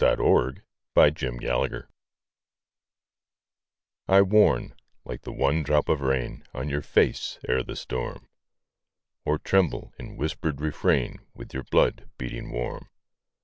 THE VOICE OF THE VOID I warn, like the one drop of rain On your face, ere the storm; Or tremble in whispered refrain With your blood, beating warm.